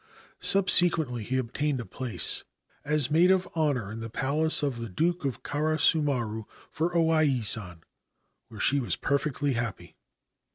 Subsequently he obtained a place as maid of honour in the palace of the Duke of Karasumaru for O Ai San, where she was perfectly happy.